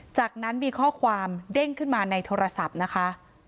จากนั้นมีข้อความเด้งขึ้นมาในโทรศัพท์นะคะ